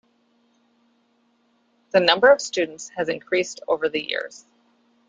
The number of students has increased over the years.